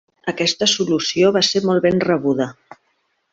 Aquesta solució va ser molt ben rebuda.